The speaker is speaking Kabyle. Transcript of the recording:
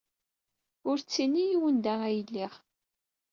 Ur ttini i yiwen da ay lliɣ.